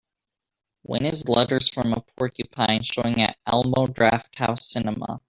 when is Letters from a Porcupine showing at Alamo Drafthouse Cinema